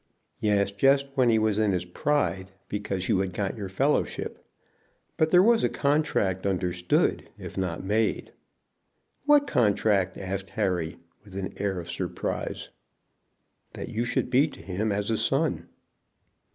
"Yes, just when he was in his pride because you had got your fellowship. But there was a contract understood, if not made." "What contract?" asked Harry, with an air of surprise. "That you should be to him as a son."